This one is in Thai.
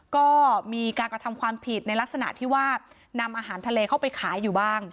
ก็มีการกระทำความผิดในลักษณะที่ว่านำอาหารทะเลเข้าไปขายอยู่บ้าง